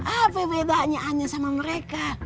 apa bedanyaannya sama mereka